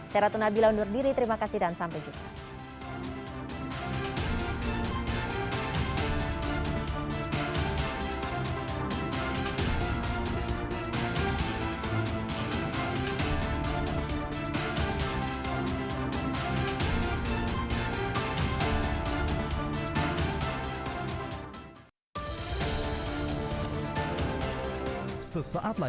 saya ratu nabila undur diri terima kasih dan sampai jumpa